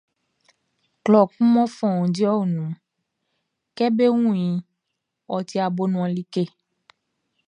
Klɔ kun mɔ fɔundi o nunʼn, kɛ be wun iʼn, ɔ ti abonuan like.